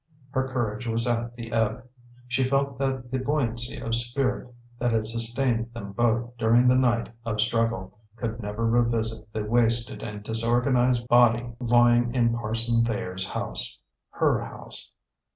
Her courage was at the ebb. She felt that the buoyancy of spirit that had sustained them both during the night of struggle could never revisit the wasted and disorganized body lying in Parson Thayer's house her house.